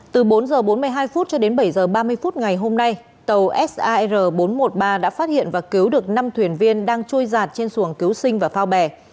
từ bốn h bốn mươi hai cho đến bảy h ba mươi phút ngày hôm nay tàu sar bốn trăm một mươi ba đã phát hiện và cứu được năm thuyền viên đang trôi giạt trên xuồng cứu sinh và phao bè